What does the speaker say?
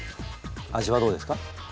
味はどうですか？